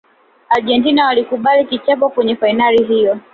argentina walikubali kichapo kwenye fainali hiyo